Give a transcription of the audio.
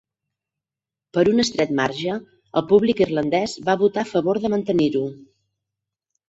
Per un estret marge, el públic irlandès va votar a favor de mantenir-ho.